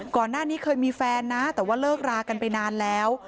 ก่อนหน้านี้เคยมีแฟนนะแต่ว่าเลิกรากันไปนานแล้ว